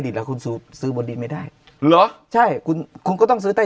คุณซื้อซื้อบนดินไม่ได้เหรอใช่คุณคุณก็ต้องซื้อใต้